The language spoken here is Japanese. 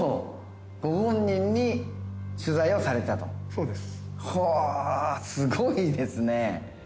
「そうです」